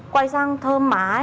quay sang thơm má ấy ạ